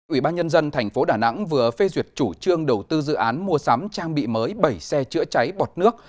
ủy ban nhân dân thành phố đà nẵng vừa phê duyệt chủ trương đầu tư dự án mua sắm trang bị mới bảy xe chữa cháy bọt nước